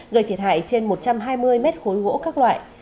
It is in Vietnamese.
gây thiệt hại trên một trăm hai mươi mét khối gỗ các loại